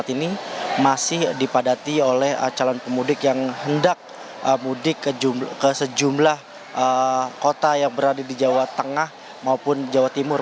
ini masih dipadati oleh calon pemudik yang hendak mudik ke sejumlah kota yang berada di jawa tengah maupun jawa timur